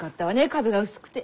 壁が薄くて。